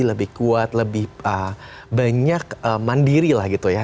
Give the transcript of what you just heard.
lebih kuat lebih banyak mandiri lah gitu ya